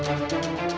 kambing atau masukkan